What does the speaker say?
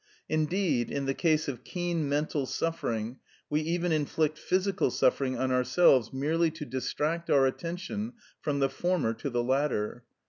Indeed, in the case of keen mental suffering, we even inflict physical suffering on ourselves merely to distract our attention from the former to the latter.